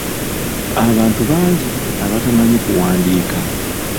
Abantu bangi abatamanyi kuwandiika.